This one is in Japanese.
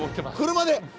車で！